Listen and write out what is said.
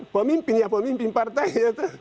pemimpin ya pemimpin partainya